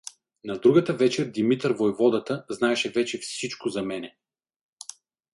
На другата вечер Димитър войводата знаеше вече всичко за мене.